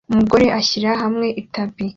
Umugore ashyira hamwe itapi